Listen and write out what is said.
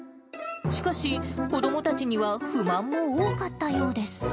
しかし、子どもたちには不満も多かったようです。